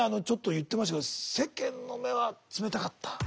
ちょっと言ってましたけど世間の目は冷たかった。